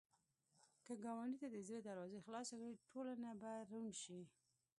که ګاونډي ته د زړه دروازې خلاصې کړې، ټولنه به روڼ شي